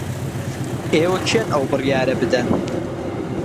ئێوە کێن ئەو بڕیارە بدەن؟